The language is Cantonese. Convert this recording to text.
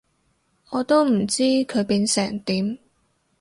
我都唔知佢變成點